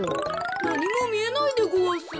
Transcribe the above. なにもみえないでごわす。